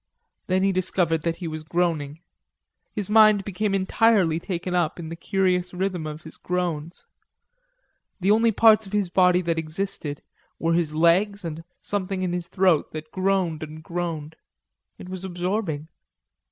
Then he discovered that he was groaning. His mind became entirely taken up in the curious rhythm of his groans. The only parts of his body that existed were his legs and something in his throat that groaned and groaned. It was absorbing.